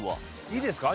いいですか？